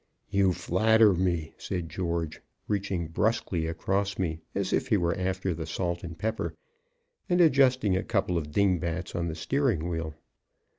"You flatter me," said George, reaching bruskly across me as if he were after the salt and pepper, and adjusting a couple of dingbats on the steering wheel.